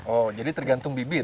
oh jadi tergantung bibit